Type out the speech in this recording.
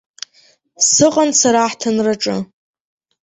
Сыҟан сара аҳҭынраҿы.